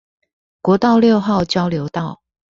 國道六號交流道